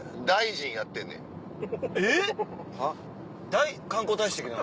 だい観光大使的な？